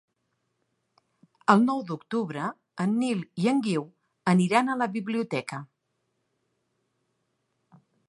El nou d'octubre en Nil i en Guiu aniran a la biblioteca.